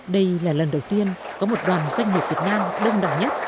đây là lần đầu tiên có một đoàn doanh nghiệp việt nam đông đỏ nhất